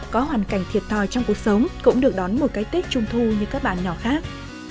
có hoàn cảnh thiệt thòi trong cuộc sống cũng được đón một cái tết trung thu như các bạn nhỏ khác